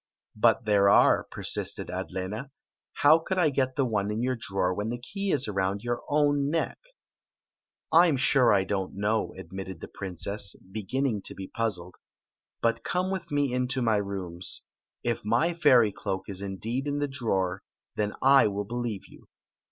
" But there are," persisted Adlena. « How could 1 88 Oueen Zixi of Ix; or, the I get the one in your drawer when the key is around your own neck ?" "I 'm sure I don't know, admitted the princess, beginning to be puzzled. " But come with me into my rooms. If my fairy cloak is indeed in the drawer, then I will believe you."